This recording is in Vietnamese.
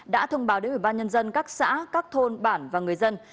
đã thông báo đến ủy ban nhân dân các xã các thôn bản và người dân